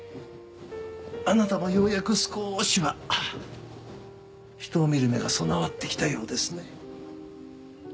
あなたもようやく少しは人を見る目が備わってきたようですね。